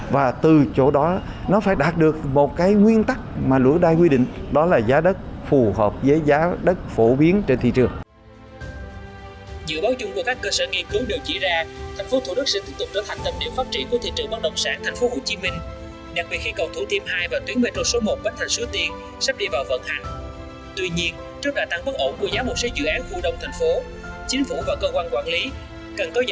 và từ chỗ đó nó phải đạt được một cái nguyên tắc mà lượng đai quy định đó là giá đất phù hợp với giá đất phổ biến trên thị trường